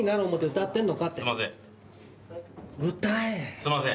すいません。